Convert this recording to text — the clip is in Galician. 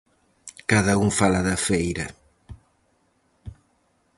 Cada un fala da feira...